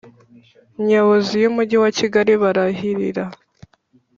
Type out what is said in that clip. Nyobozi y Umujyi wa Kigali barahirira